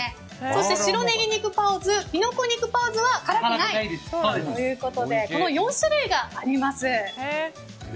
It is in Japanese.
そして白ネギ肉パオズキノコ肉パオズは辛くないということでこの４種類があります。